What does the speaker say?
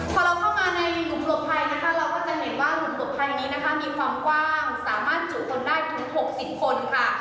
พอเราเข้ามาในกลุ่มหลบภัยนะคะเราก็จะเห็นว่ากลุ่มหลบภัยนี้นะคะมีความกว้างสามารถจุคนได้ถึง๖๐คนค่ะ